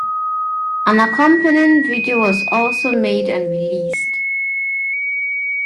An accompanying video was also made and released.